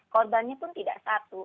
korbannya pun tidak satu